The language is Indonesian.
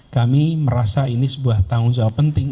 kami merasa ini sebuah tanggung jawab penting